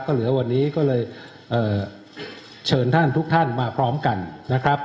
ก็เหลือวันนี้ก็เลยเชิญท่านทุกท่านมาพร้อมกันนะครับ